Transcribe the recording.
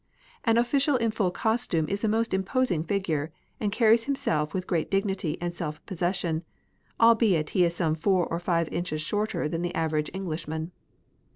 An official in full costume is a most imposing figure, and carries himself with great dignity and self possession, albeit he is some four or five inches shorter than an average Englishman.